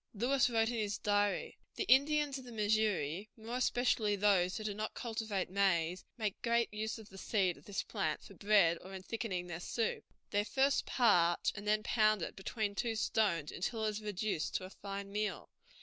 Lewis wrote in his diary: "The Indians of the Missouri, more especially those who do not cultivate maize, make great use of the seed of this plant for bread or in thickening their soup. They first parch and then pound it between two stones until it is reduced to a fine meal.